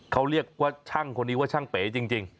เขาเรียกว่าช่างคนนี้ว่าช่างเป๋จริง